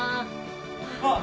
あっ。